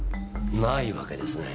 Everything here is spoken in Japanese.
ないわけですね？